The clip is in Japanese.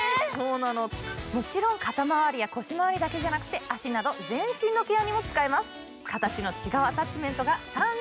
もちろん肩まわりや腰だけじゃなくて足など全身のケアにも使えます。